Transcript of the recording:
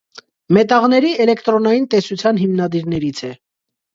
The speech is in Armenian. Մետաղների էլեկտրոնային տեսության հիմնադիրներից է։